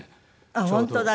あっ本当だ。